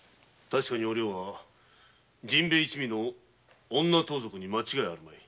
確かにお涼は陣兵衛一味の女盗賊に間違いあるまい。